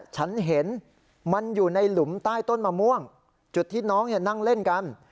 ฉันเห็นมันอยู่ในหลุมใต้ต้นมะม่วงจุดที่น้องนั่งเล่นกัน